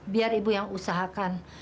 biar ibu yang usahakan